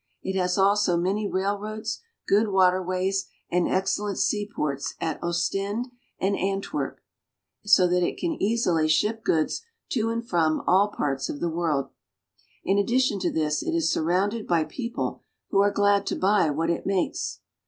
It has also many railroads, good waterways, and excellent seaports at Ostend and Ant werp (see map, p. 1 34), so that it can easily ship goods to and from all parts of the world. In addition to this it is surrounded by people who are glad to buy what it makes.